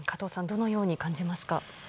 どのように感じますか。